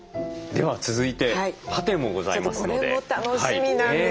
では続いてパテもございますので。